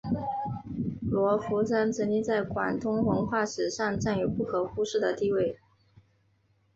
罗浮山曾经在广东文化史上占有不可忽视的地位。